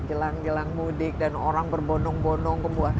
jelang jelang mudik dan orang berbonong bonong semua